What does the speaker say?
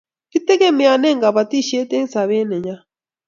kitengeneane kabatishiet eng sabet nenyon